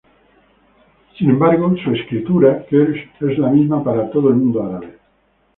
Sin embargo, su escritura, قرش, es la misma para todo el mundo árabe.